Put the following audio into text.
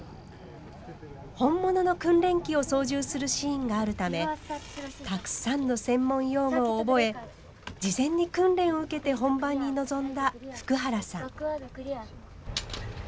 本物の訓練機を操縦するシーンがあるためたくさんの専門用語を覚え事前に訓練を受けて本番に臨んだ福原さん。